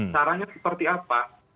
caranya seperti apa